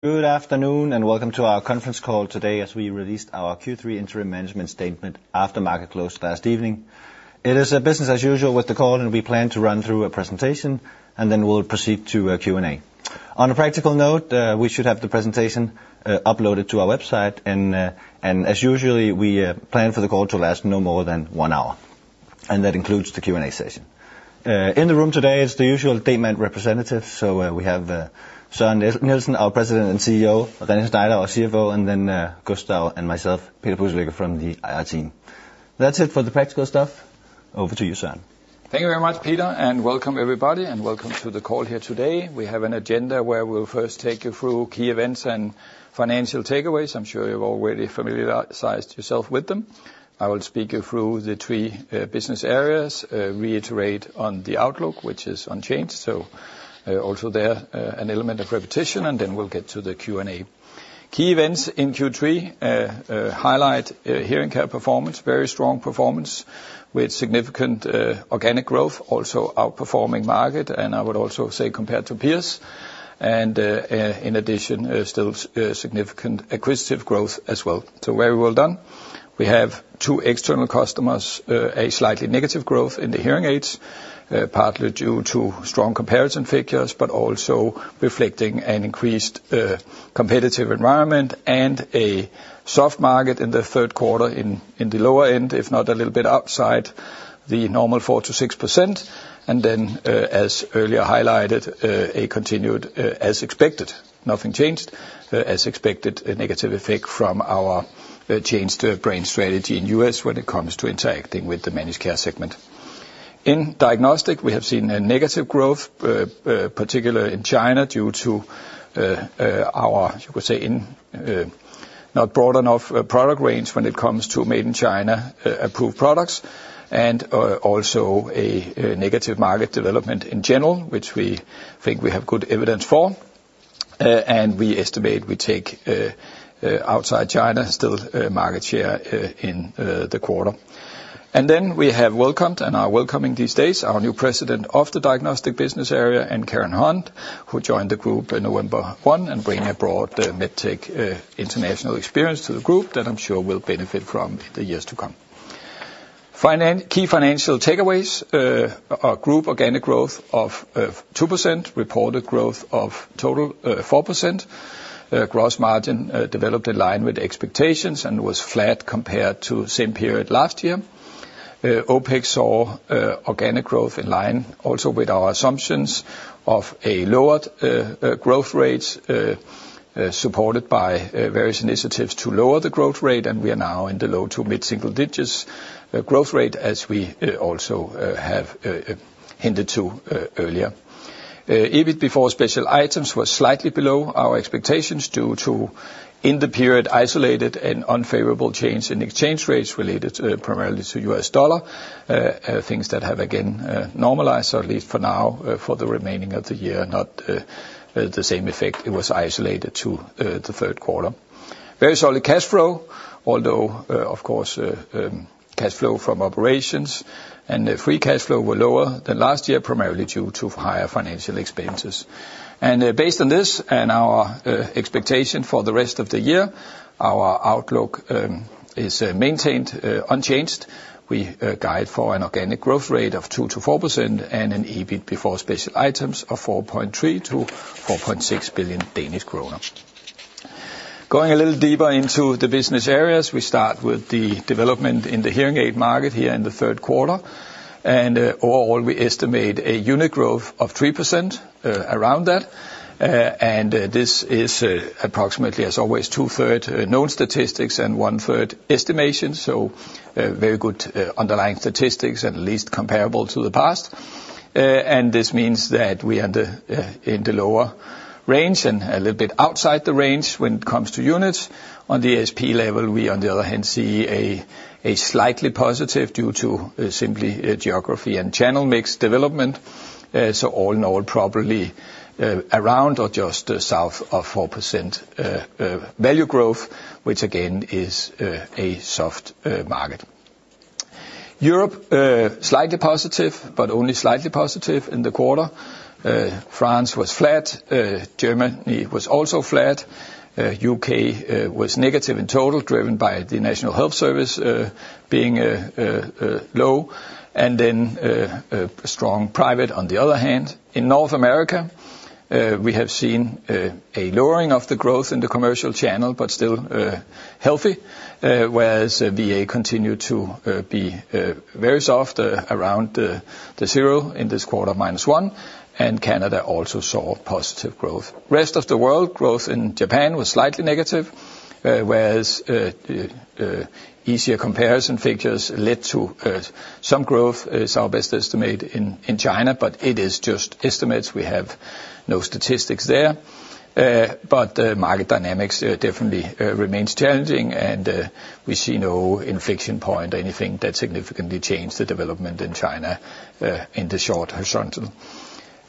Good afternoon, and welcome to our conference call today as we released our Q3 interim management statement after market close last evening. It is business as usual with the call, and we plan to run through a presentation, and then we'll proceed to a Q&A. On a practical note, we should have the presentation uploaded to our website, and as usual, we plan for the call to last no more than one hour, and that includes the Q&A session. In the room today, it's the usual Demant representatives, so we have Søren Nielsen, our President and CEO, René Schneider, our CFO, and then Gustav and myself, Peter Pudselykke, from the IR team. That's it for the practical stuff. Over to you, Søren. Thank you very much, Peter, and welcome everybody, and welcome to the call here today. We have an agenda where we'll first take you through key events and financial takeaways. I'm sure you've already familiarized yourself with them. I will walk you through the three business areas, reiterate on the outlook, which is unchanged, so there's also an element of repetition, and then we'll get to the Q&A. Key events in Q3 highlight hearing care performance, very strong performance with significant organic growth, also outperforming market, and I would also say compared to peers, and in addition, still significant acquisitive growth as well, so very well done. We have two external customers, a slightly negative growth in the hearing aids, partly due to strong comparison figures, but also reflecting an increased competitive environment and a soft market in the third quarter in the lower end, if not a little bit upside the normal 4%- 6%, and then, as earlier highlighted, a continued as expected, nothing changed, as expected a negative effect from our changed brand strategy in the U.S. when it comes to interacting with the managed care segment. In diagnostic, we have seen a negative growth, particularly in China due to our, you could say, not broad enough product range when it comes to made in China approved products, and also a negative market development in general, which we think we have good evidence for, and we estimate we take outside China still market share in the quarter. And then we have welcomed, and are welcoming these days, our new President of the diagnostic business area, Karen Hunt, who joined the group on November 1 and bringing a broad medtech international experience to the group that I'm sure will benefit from in the years to come. Key financial takeaways: our group organic growth of 2%, reported growth of total 4%, gross margin developed in line with expectations and was flat compared to the same period last year. OPEX saw organic growth in line also with our assumptions of a lowered growth rate supported by various initiatives to lower the growth rate, and we are now in the low to mid single digits growth rate as we also have hinted to earlier. EBIT before special items was slightly below our expectations due to, in the period, isolated and unfavorable change in exchange rates related primarily to the U.S. dollar, things that have again normalized, or at least for now, for the remaining of the year, not the same effect it was isolated to the third quarter. Very solid cash flow, although, of course, cash flow from operations and free cash flow were lower than last year, primarily due to higher financial expenses, and based on this and our expectation for the rest of the year, our outlook is maintained unchanged. We guide for an organic growth rate of 2%-4% and an EBIT before special items of 4.3 billion-4.6 billion Danish kroner. Going a little deeper into the business areas, we start with the development in the hearing aid market here in the third quarter, and overall we estimate a unit growth of 3%, around that, and this is approximately, as always, two-thirds known statistics and one-third estimations, so very good underlying statistics and at least comparable to the past. And this means that we are in the lower range and a little bit outside the range when it comes to units. On the ASP level, we, on the other hand, see a slightly positive due to simply geography and channel mix development, so all in all probably around or just south of 4% value growth, which again is a soft market. Europe, slightly positive, but only slightly positive in the quarter. France was flat, Germany was also flat, U.K. was negative in total, driven by the National Health Service being low, and then strong private on the other hand. In North America, we have seen a lowering of the growth in the commercial channel, but still healthy, whereas VA continued to be very soft, around the zero in this quarter, minus one, and Canada also saw positive growth. Rest of the world, growth in Japan was slightly negative, whereas easier comparison figures led to some growth, somewhat estimate in China, but it is just estimates. We have no statistics there, but market dynamics definitely remains challenging, and we see no inflection point or anything that significantly changed the development in China in the short horizon.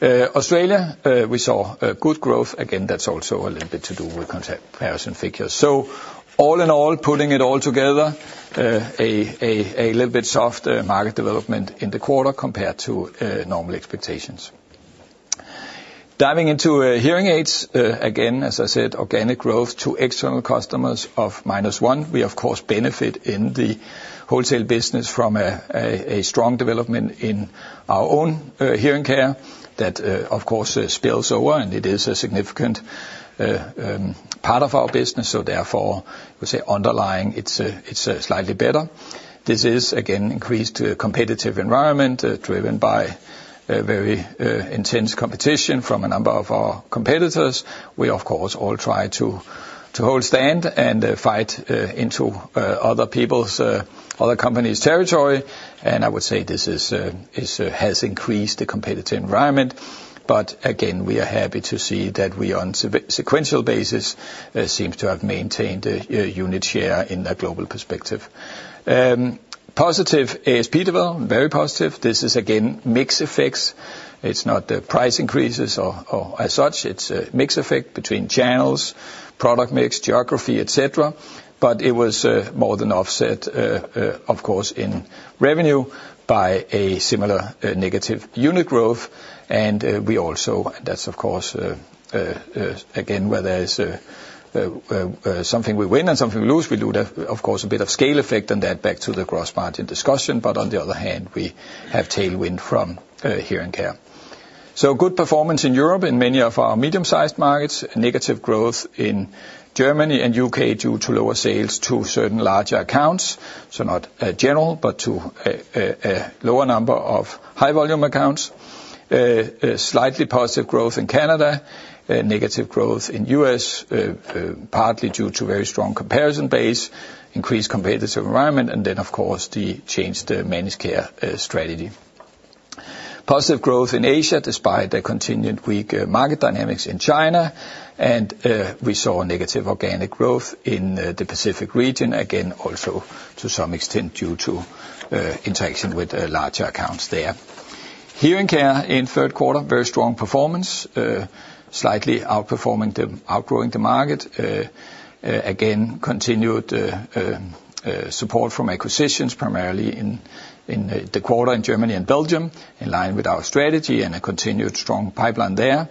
Australia, we saw good growth. Again, that's also a little bit to do with comparison figures. So all in all, putting it all together, a little bit soft market development in the quarter compared to normal expectations. Diving into hearing aids, again, as I said, organic growth to external customers of minus one. We, of course, benefit in the wholesale business from a strong development in our own hearing care that, of course, spills over, and it is a significant part of our business, so therefore, we say underlying it's slightly better. This is, again, increased competitive environment driven by very intense competition from a number of our competitors. We, of course, all try to hold stand and fight into other people's, other companies' territory, and I would say this has increased the competitive environment, but again, we are happy to see that we on a sequential basis seem to have maintained unit share in the global perspective. Positive ASP development, very positive. This is, again, mixed effects. It's not the price increases or as such. It's a mixed effect between channels, product mix, geography, et cetera, but it was more than offset, of course, in revenue by a similar negative unit growth, and we also, that's, of course, again, whether it's something we win and something we lose. We do have, of course, a bit of scale effect on that back to the gross margin discussion, but on the other hand, we have tailwind from hearing care, so good performance in Europe in many of our medium-sized markets, negative growth in Germany and U.K. due to lower sales to certain larger accounts, so not general, but to a lower number of high-volume accounts, slightly positive growth in Canada, negative growth in U.S., partly due to very strong comparison base, increased competitive environment, and then, of course, the changed managed care strategy. Positive growth in Asia despite the continued weak market dynamics in China, and we saw negative organic growth in the Pacific region, again, also to some extent due to interaction with larger accounts there. Hearing care in third quarter, very strong performance, slightly outperforming, outgrowing the market, again, continued support from acquisitions primarily in the quarter in Germany and Belgium, in line with our strategy and a continued strong pipeline there.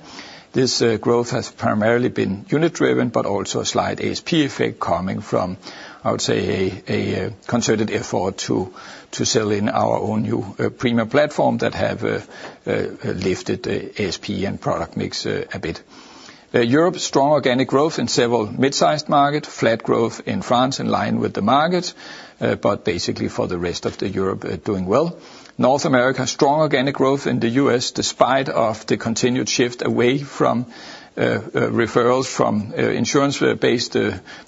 This growth has primarily been unit-driven, but also a slight ASP effect coming from, I would say, a concerted effort to sell in our own new premium platform that have lifted the ASP and product mix a bit. Europe, strong organic growth in several mid-sized markets, flat growth in France in line with the market, but basically for the rest of the Europe doing well. North America, strong organic growth in the U.S. despite the continued shift away from referrals from insurance-based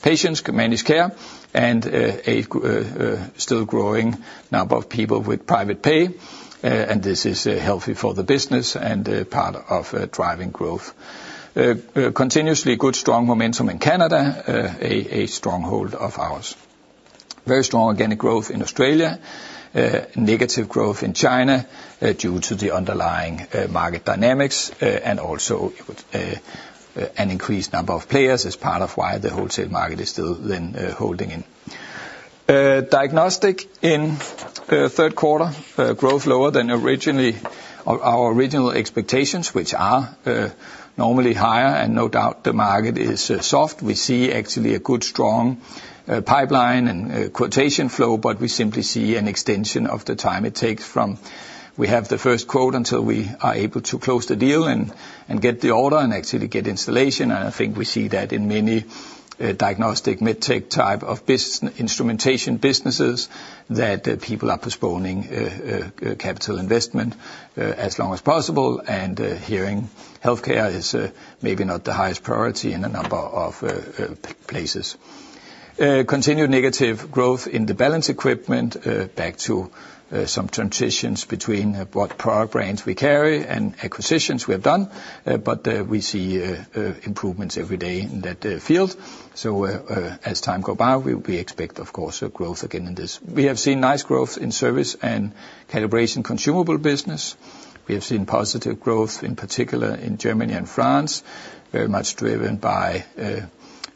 patients to managed care and a still growing number of people with private pay, and this is healthy for the business and part of driving growth. Continuously good, strong momentum in Canada, a stronghold of ours. Very strong organic growth in Australia, negative growth in China due to the underlying market dynamics and also an increased number of players as part of why the wholesale market is still then holding in. Diagnostic in third quarter, growth lower than our original expectations, which are normally higher, and no doubt the market is soft. We see actually a good, strong pipeline and quotation flow, but we simply see an extension of the time it takes from we have the first quote until we are able to close the deal and get the order and actually get installation, and I think we see that in many diagnostic medtech type of instrumentation businesses that people are postponing capital investment as long as possible, and hearing healthcare is maybe not the highest priority in a number of places. Continued negative growth in the balance equipment, due to some transitions between what product brands we carry and acquisitions we have done, but we see improvements every day in that field. So as time goes by, we expect, of course, growth again in this. We have seen nice growth in service and calibration consumables business. We have seen positive growth in particular in Germany and France, very much driven by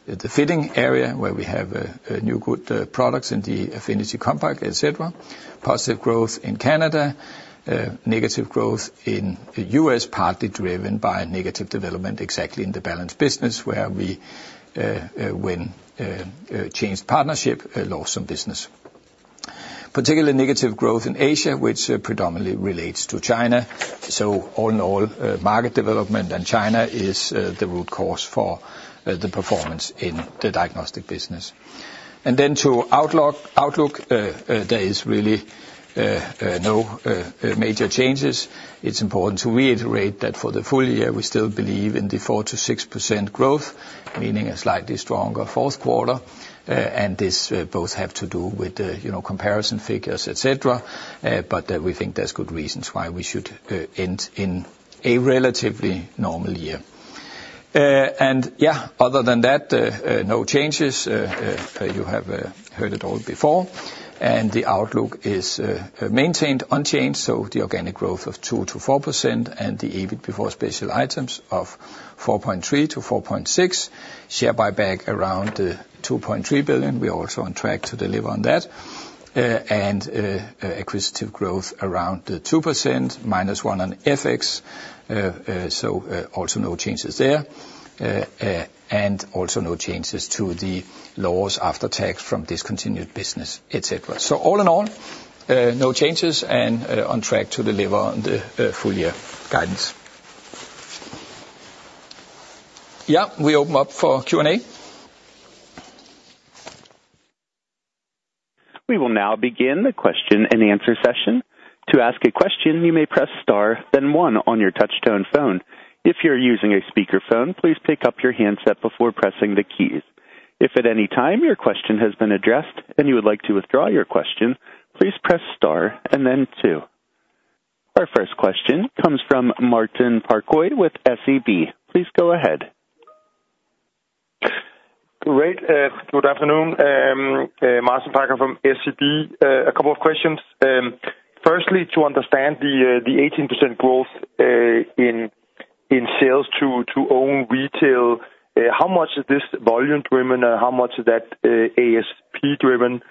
the fitting area where we have new good products in the Affinity Compact, et cetera. Positive growth in Canada, negative growth in the U.S., partly driven by negative development exactly in the balance business where we have changed partnership, lost some business. Particularly negative growth in Asia, which predominantly relates to China. So all in all, market development in China is the root cause for the performance in the diagnostic business. And then to outlook, there is really no major changes. It is important to reiterate that for the full year we still believe in the 4%-6% growth, meaning a slightly stronger fourth quarter, and this both have to do with comparison figures, et cetera, but we think there are good reasons why we should end in a relatively normal year. Yeah, other than that, no changes. You have heard it all before, and the outlook is maintained unchanged, so the organic growth of 2%-4% and the EBIT before special items of 4.3%-4.6%, share buyback around 2.3 billion. We are also on track to deliver on that, and acquisitive growth around 2%, minus 1% on FX, so also no changes there, and also no changes to the loss after tax from discontinued business, etc. So all in all, no changes and on track to deliver on the full year guidance. Yeah, we open up for Q&A. We will now begin the question and answer session. To ask a question, you may press star, then 1 on your touchtone phone. If you're using a speakerphone, please pick up your handset before pressing the keys. If at any time your question has been addressed and you would like to withdraw your question, please press star and then two. Our first question comes from Martin Parkhøi with SEB. Please go ahead. Great. Good afternoon. Martin Parkhøi from SEB. A couple of questions. Firstly, to understand the 18% growth in sales to own retail, how much is this volume driven and how much is that ASP driven?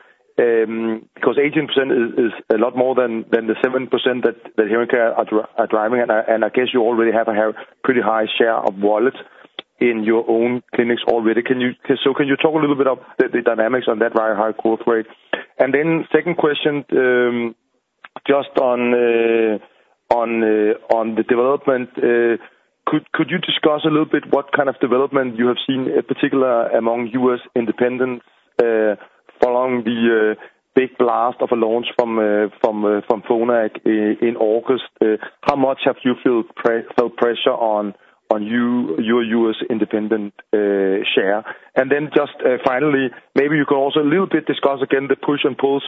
Because 18% is a lot more than the 7% that hearing care are driving, and I guess you already have a pretty high share of wallet in your own clinics already. So can you talk a little bit of the dynamics on that very high growth rate? And then second question, just on the development, could you discuss a little bit what kind of development you have seen in particular among U.S. independents following the big blast of a launch from Phonak in August? How much have you felt pressure on your U.S. independent share? Then just finally, maybe you could also a little bit discuss again the push and pulls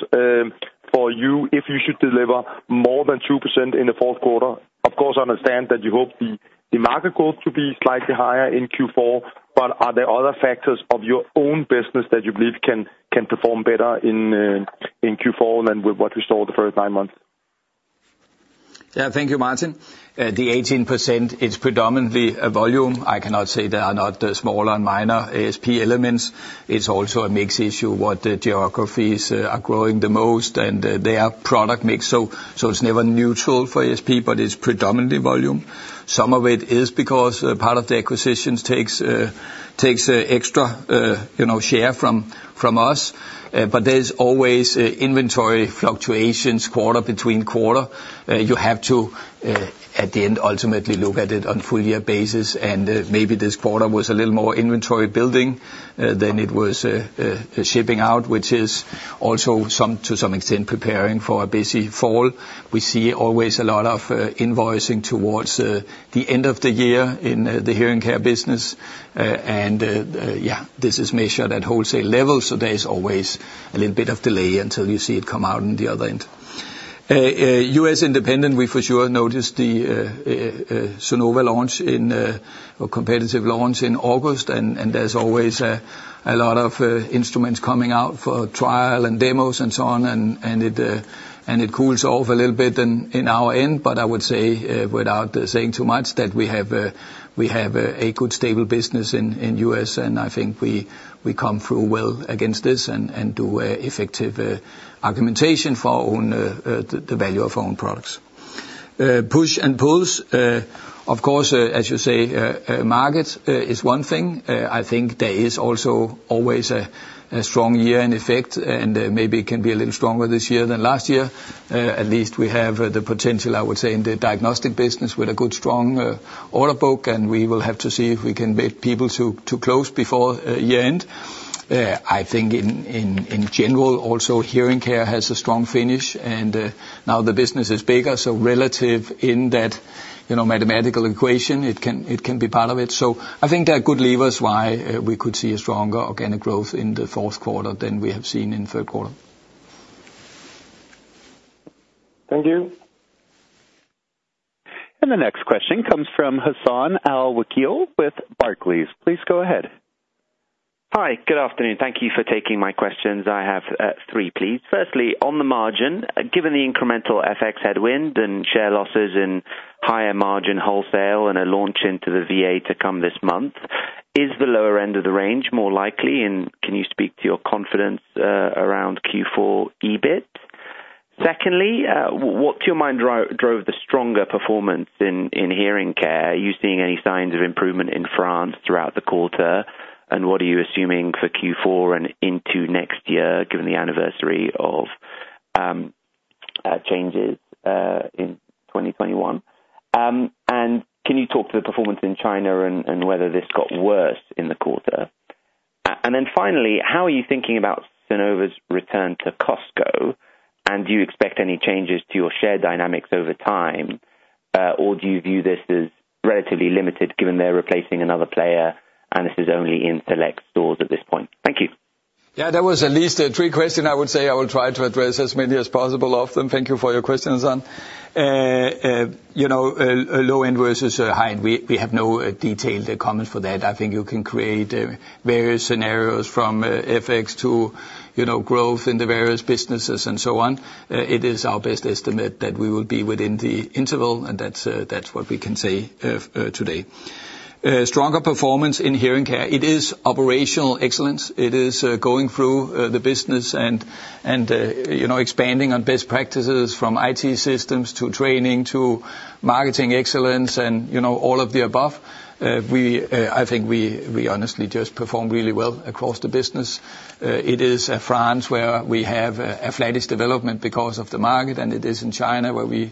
for you if you should deliver more than 2% in the fourth quarter. Of course, I understand that you hope the market growth to be slightly higher in Q4, but are there other factors of your own business that you believe can perform better in Q4 than what we saw the first nine months? Yeah, thank you, Martin. The 18%, it's predominantly volume. I cannot say there are not smaller and minor ASP elements. It's also a mixed issue what geographies are growing the most and their product mix. So it's never neutral for ASP, but it's predominantly volume. Some of it is because part of the acquisitions takes extra share from us, but there's always inventory fluctuations quarter to quarter. You have to, at the end, ultimately look at it on a full year basis, and maybe this quarter was a little more inventory building than it was shipping out, which is also to some extent preparing for a busy fall. We see always a lot of invoicing towards the end of the year in the hearing care business, and yeah, this is measured at wholesale levels, so there's always a little bit of delay until you see it come out on the other end. U.S. independents, we for sure noticed the Sonova launch, our competitive launch in August, and there's always a lot of instruments coming out for trial and demos and so on, and it cools off a little bit at our end, but I would say without saying too much that we have a good stable business in U.S., and I think we come through well against this and do effective argumentation for the value of our own products. Push and pulls. Of course, as you say, market is one thing. I think there is also always a strong year-end effect, and maybe it can be a little stronger this year than last year. At least we have the potential, I would say, in the diagnostic business with a good strong order book, and we will have to see if we can get people to close before year end. I think in general, also hearing care has a strong finish, and now the business is bigger, so relative in that mathematical equation, it can be part of it. So I think there are good levers why we could see a stronger organic growth in the fourth quarter than we have seen in the third quarter. Thank you. The next question comes from Hassan Al-Wakeel with Barclays. Please go ahead. Hi, good afternoon. Thank you for taking my questions. I have three, please. Firstly, on the margin, given the incremental FX headwind and share losses in higher margin wholesale and a launch into the VA to come this month, is the lower end of the range more likely, and can you speak to your confidence around Q4 EBIT? Secondly, what to your mind drove the stronger performance in hearing care? Are you seeing any signs of improvement in France throughout the quarter, and what are you assuming for Q4 and into next year given the anniversary of changes in 2021? And can you talk to the performance in China and whether this got worse in the quarter? And then finally, how are you thinking about Sonova's return to Costco, and do you expect any changes to your share dynamics over time, or do you view this as relatively limited given they're replacing another player and this is only in select stores at this point? Thank you. Yeah, that was at least three questions, I would say. I will try to address as many as possible of them. Thank you for your questions, Hassan. A low end versus a high end, we have no detailed comments for that. I think you can create various scenarios from FX to growth in the various businesses and so on. It is our best estimate that we will be within the interval, and that's what we can say today. Stronger performance in hearing care, it is operational excellence. It is going through the business and expanding on best practices from IT systems to training to marketing excellence and all of the above. I think we honestly just perform really well across the business. It is France where we have a flattish development because of the market, and it is in China where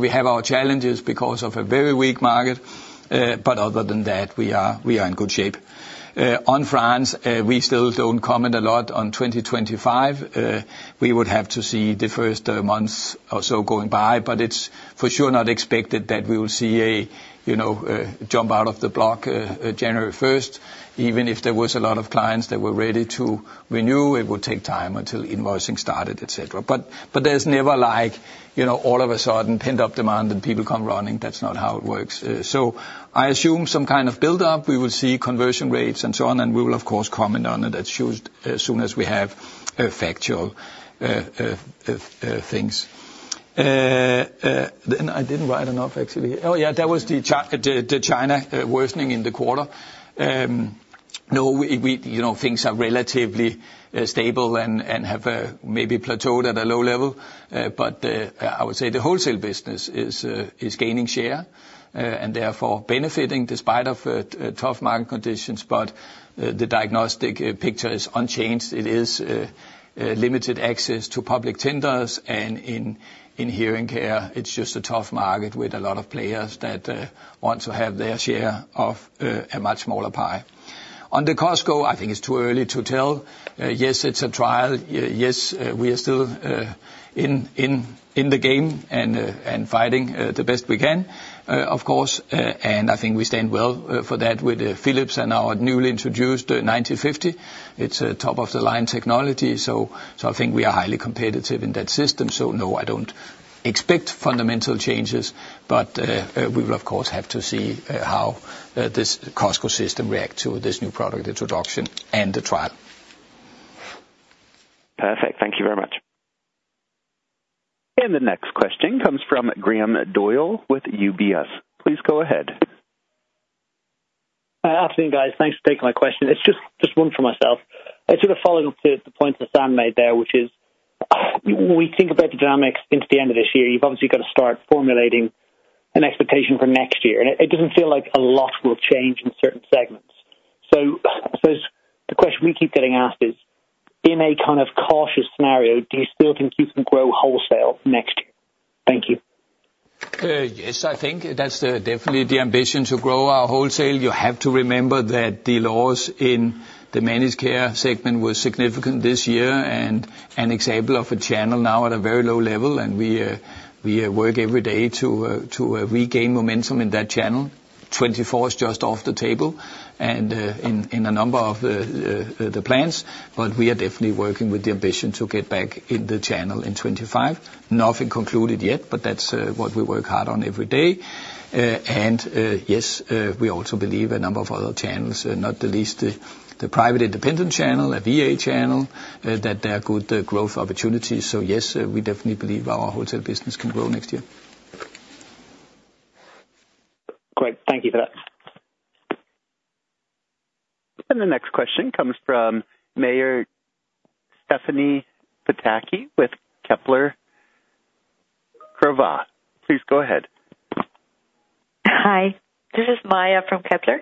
we have our challenges because of a very weak market, but other than that, we are in good shape. On France, we still don't comment a lot on 2025. We would have to see the first months or so going by, but it's for sure not expected that we will see a jump out of the block January 1st. Even if there was a lot of clients that were ready to renew, it would take time until invoicing started, et cetera. But there's never like all of a sudden pent-up demand and people come running. That's not how it works. So I assume some kind of build-up. We will see conversion rates and so on, and we will, of course, comment on it as soon as we have factual things. I didn't write enough, actually. Oh yeah, that was the China worsening in the quarter. No, things are relatively stable and have maybe plateaued at a low level, but I would say the wholesale business is gaining share and therefore benefiting despite of tough market conditions, but the diagnostic picture is unchanged. It is limited access to public tenders, and in hearing care, it's just a tough market with a lot of players that want to have their share of a much smaller pie. On the Costco, I think it's too early to tell. Yes, it's a trial. Yes, we are still in the game and fighting the best we can, of course, and I think we stand well for that with Philips and our newly introduced 9050. It's a top-of-the-line technology, so I think we are highly competitive in that system. No, I don't expect fundamental changes, but we will, of course, have to see how this Costco system reacts to this new product introduction and the trial. Perfect. Thank you very much. And the next question comes from Graham Doyle with UBS. Please go ahead. Afternoon, guys. Thanks for taking my question. It's just one for myself. It sort of follows the point Hassan made there, which is when we think about the dynamics into the end of this year, you've obviously got to start formulating an expectation for next year, and it doesn't feel like a lot will change in certain segments. So I suppose the question we keep getting asked is, in a kind of cautious scenario, do you still think you can grow wholesale next year? Thank you. Yes, I think that's definitely the ambition to grow our wholesale. You have to remember that the loss in the managed care segment was significant this year, and an example of a channel now at a very low level, and we work every day to regain momentum in that channel. 2024 is just off the table and in a number of the plans, but we are definitely working with the ambition to get back in the channel in 2025. Nothing concluded yet, but that's what we work hard on every day, and yes, we also believe a number of other channels, not the least the private independent channel, a VA channel, that there are good growth opportunities, so yes, we definitely believe our wholesale business can grow next year. Great. Thank you for that. The next question comes from Maja Pataki with Kepler Cheuvreux. Please go ahead. Hi. This is Maja from Kepler.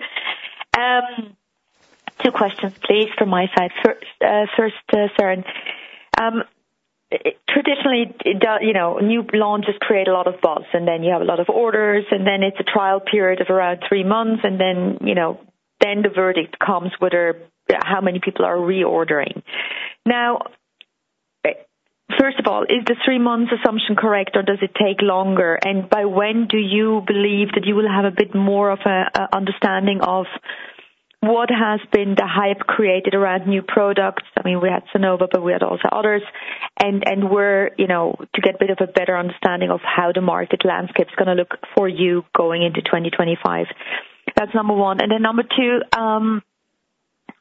Two questions, please, from my side. First, Søren. Traditionally, new launches create a lot of buzz, and then you have a lot of orders, and then it's a trial period of around three months, and then the verdict comes with how many people are reordering. Now, first of all, is the three months assumption correct, or does it take longer? And by when do you believe that you will have a bit more of an understanding of what has been the hype created around new products? I mean, we had Sonova, but we had also others, and to get a bit of a better understanding of how the market landscape is going to look for you going into 2025. That's number one. And then number two,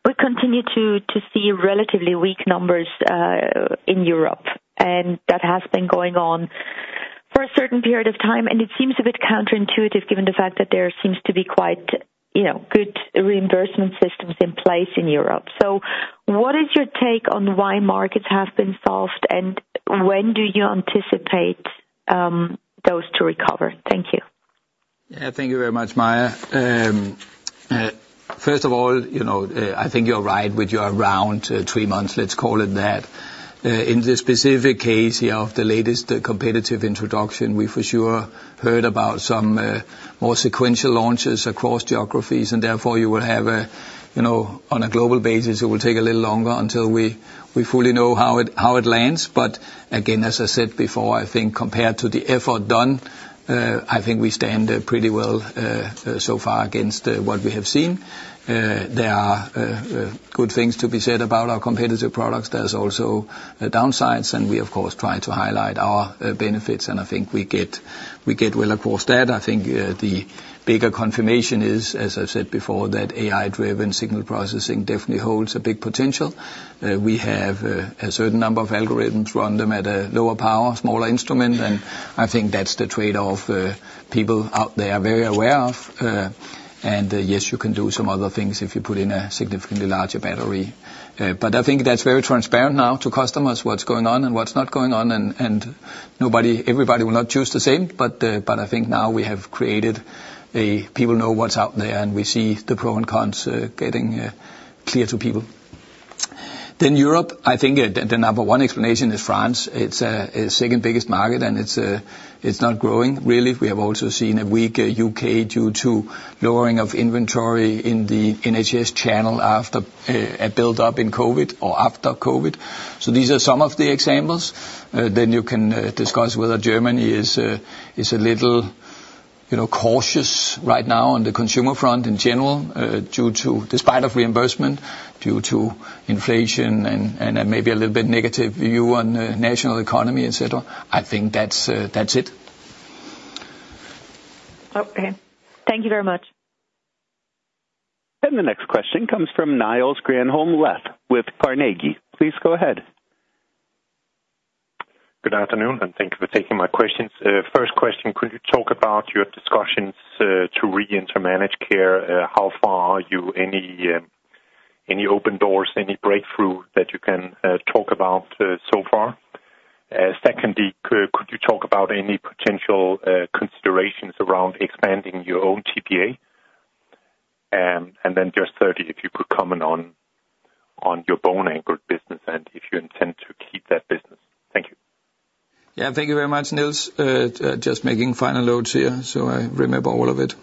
we continue to see relatively weak numbers in Europe, and that has been going on for a certain period of time, and it seems a bit counterintuitive given the fact that there seems to be quite good reimbursement systems in place in Europe. So what is your take on why markets have been soft and when do you anticipate those to recover? Thank you. Yeah, thank you very much, Maja. First of all, I think you're right with your around three months, let's call it that. In the specific case of the latest competitive introduction, we for sure heard about some more sequential launches across geographies, and therefore you will have a, on a global basis, it will take a little longer until we fully know how it lands. But again, as I said before, I think compared to the effort done, I think we stand pretty well so far against what we have seen. There are good things to be said about our competitive products. There's also downsides, and we, of course, try to highlight our benefits, and I think we get well across that. I think the bigger confirmation is, as I've said before, that AI-driven signal processing definitely holds a big potential. We have a certain number of algorithms, run them at a lower power, smaller instrument, and I think that's the trade-off people out there are very aware of. And yes, you can do some other things if you put in a significantly larger battery. But I think that's very transparent now to customers what's going on and what's not going on, and everybody will not choose the same, but I think now we have created a people know what's out there, and we see the pros and cons getting clear to people. Then Europe, I think the number one explanation is France. It's the second biggest market, and it's not growing, really. We have also seen a weak U.K. due to lowering of inventory in the NHS channel after a build-up in COVID or after COVID. So these are some of the examples. Then you can discuss whether Germany is a little cautious right now on the consumer front in general due to, despite of reimbursement, due to inflation and maybe a little bit negative view on the national economy, et cetera. I think that's it. Okay. Thank you very much. And the next question comes from Niels Granholm-Leth with Carnegie. Please go ahead. Good afternoon, and thank you for taking my questions. First question, could you talk about your discussions to re-enter managed care? How far are you? Any open doors, any breakthrough that you can talk about so far? Secondly, could you talk about any potential considerations around expanding your own TPA? And then just thirdly, if you could comment on your bone-anchored business and if you intend to keep that business. Thank you. Yeah, thank you very much, Niels. Just making final notes here so I remember all of it.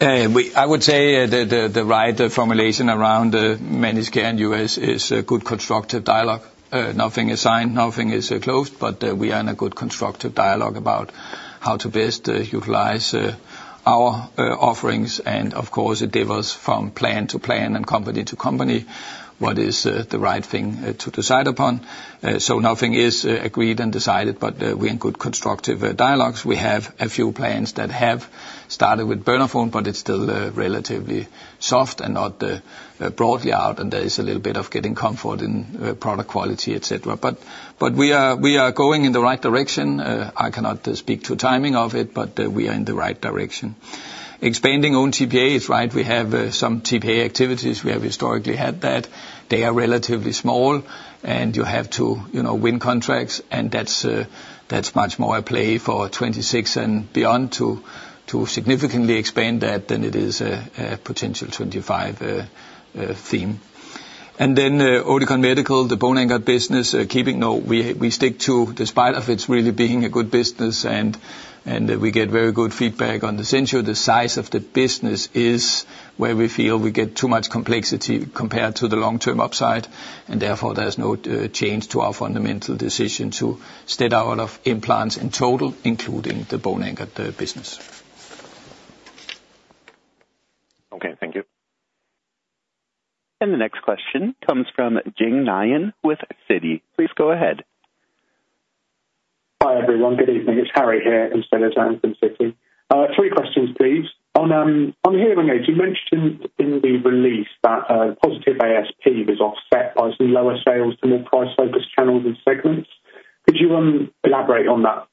I would say the right formulation around managed care in the U.S. is a good constructive dialogue. Nothing is signed, nothing is closed, but we are in a good constructive dialogue about how to best utilize our offerings, and of course, it differs from plan to plan and company to company what is the right thing to decide upon. So nothing is agreed and decided, but we are in good constructive dialogues. We have a few plans that have started with Bernafon, but it's still relatively soft and not broadly out, and there is a little bit of getting comfort in product quality, et cetera. But we are going in the right direction. I cannot speak to timing of it, but we are in the right direction. Expanding own TPA is right. We have some TPA activities. We have historically had that. They are relatively small, and you have to win contracts, and that's much more a play for 2026 and beyond to significantly expand that than it is a potential 2025 theme. And then Oticon Medical, the bone-anchored business, keeping note, we stick to, despite of it really being a good business, and we get very good feedback on the sensor. The size of the business is where we feel we get too much complexity compared to the long-term upside, and therefore there's no change to our fundamental decision to steer out of implants in total, including the bone-anchored business. Okay, thank you. And the next question comes from Jing Nian with Citi. Please go ahead. Hi everyone, good evening. It's Harry here[instead of Nian] from Citi. Three questions, please. On hearing aids, you mentioned in the release that positive ASP was offset by some lower sales to more price-focused channels and segments. Could you elaborate on that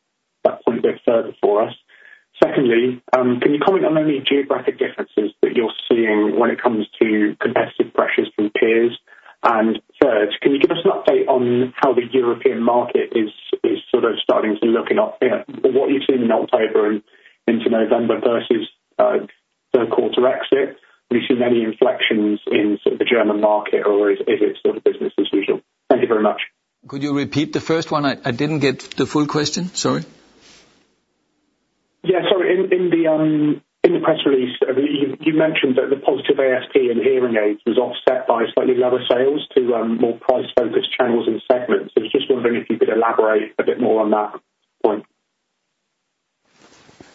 point a bit further for us? Secondly, can you comment on any geographic differences that you're seeing when it comes to competitive pressures from peers? And third, can you give us an update on how the European market is sort of starting to look at what you've seen in October and into November versus the quarter exit? Have you seen any inflections in the German market, or is it sort of business as usual? Thank you very much. Could you repeat the first one? I didn't get the full question, sorry. Yeah, sorry. In the press release, you mentioned that the positive ASP in hearing aids was offset by slightly lower sales to more price-focused channels and segments. I was just wondering if you could elaborate a bit more on that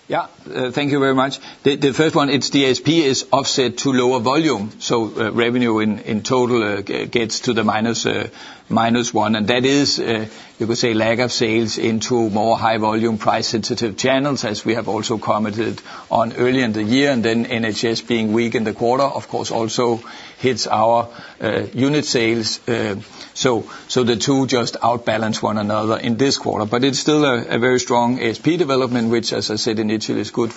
point. Yeah, thank you very much. The first one, its DSP is offset to lower volume, so revenue in total gets to the minus one, and that is, you could say, lack of sales into more high-volume price-sensitive channels, as we have also commented on earlier in the year. And then NHS being weak in the quarter, of course, also hits our unit sales. So the two just outbalance one another in this quarter, but it's still a very strong ASP development, which, as I said, initially is good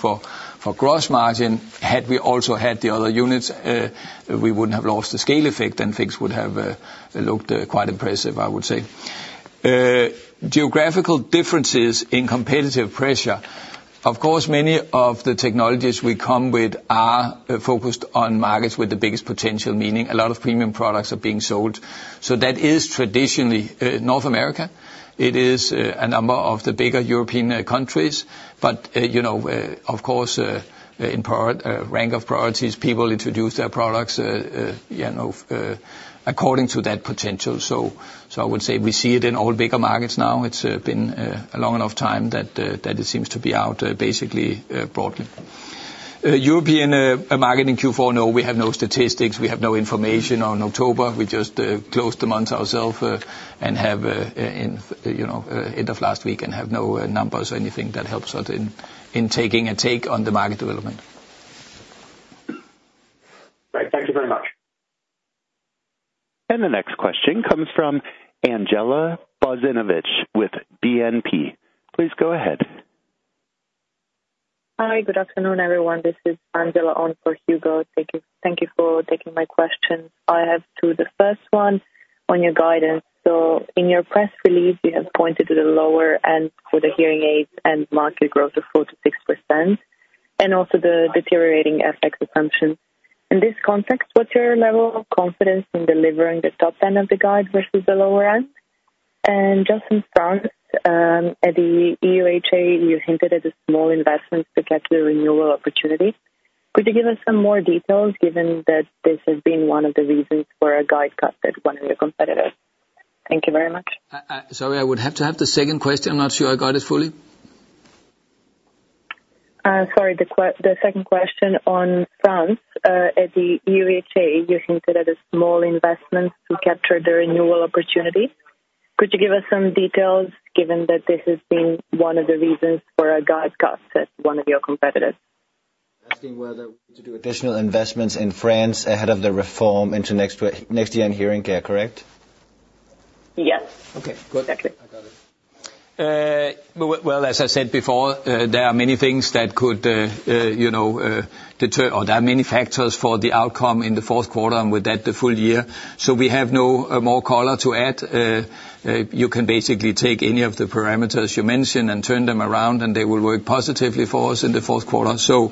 for gross margin. Had we also had the other units, we wouldn't have lost the scale effect, and things would have looked quite impressive, I would say. Geographical differences in competitive pressure. Of course, many of the technologies we come with are focused on markets with the biggest potential, meaning a lot of premium products are being sold. So that is traditionally North America. It is a number of the bigger European countries, but of course, in rank of priorities, people introduce their products according to that potential. So I would say we see it in all bigger markets now. It's been a long enough time that it seems to be out basically broadly. European market in Q4, no, we have no statistics. We have no information on October. We just closed the month ourselves and have end of last week and have no numbers or anything that helps us in taking a take on the market development. Great. Thank you very much. The next question comes from Angela Ong with BNP. Please go ahead. Hi, good afternoon, everyone. This is Angela Ong for Hugo. Thank you for taking my questions. I have two, the first one on your guidance. So in your press release, you have pointed to the lower end for the hearing aids and market growth of 4-6% and also the deteriorating FX assumption. In this context, what's your level of confidence in delivering the top end of the guide versus the lower end? And just in France, at the EUHA, you hinted at a small investment to get the renewal opportunity. Could you give us some more details given that this has been one of the reasons for a guide cut at one of your competitors? Thank you very much. Sorry, I would have to have the second question. I'm not sure I got it fully. Sorry, the second question on France, at the EUHA, you hinted at a small investment to capture the renewal opportunity. Could you give us some details given that this has been one of the reasons for a guide cut at one of your competitors? Asking whether to do additional investments in France ahead of the reform into next-gen hearing care, correct? Yes. Okay, good. Exactly. I got it. Well, as I said before, there are many things that could deter, or there are many factors for the outcome in the fourth quarter and with that the full year. So we have no more color to add. You can basically take any of the parameters you mentioned and turn them around, and they will work positively for us in the fourth quarter. So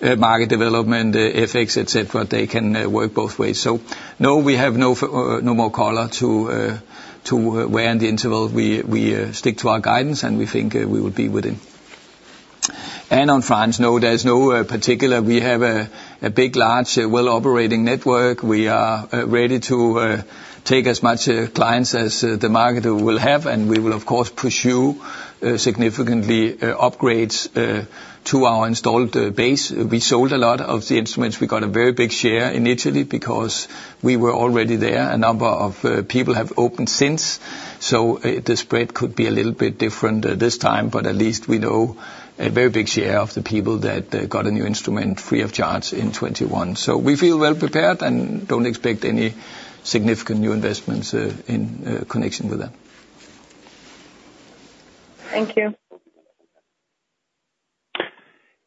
market development, FX, et cetera, they can work both ways. So no, we have no more color to give in the interval. We stick to our guidance, and we think we will be within. And on France, no, there's no particular. We have a big, large, well-operating network. We are ready to take as many clients as the market will have, and we will, of course, pursue significant upgrades to our installed base. We sold a lot of the instruments. We got a very big share initially because we were already there. A number of people have opened since. So the spread could be a little bit different this time, but at least we know a very big share of the people that got a new instrument free of charge in 2021. So we feel well prepared and don't expect any significant new investments in connection with that. Thank you.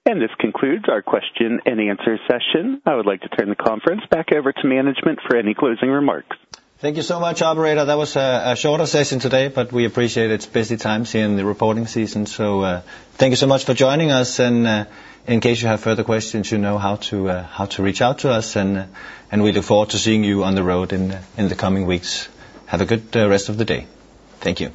This concludes our question and answer session. I would like to turn the conference back over to management for any closing remarks. Thank you so much, Albereta. That was a shorter session today, but we appreciate it's busy times here in the reporting season. So thank you so much for joining us. And in case you have further questions, you know how to reach out to us, and we look forward to seeing you on the road in the coming weeks. Have a good rest of the day. Thank you.